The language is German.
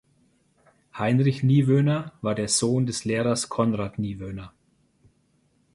Heinrich Niewöhner war der Sohn des Lehrers Conrad Niewöhner.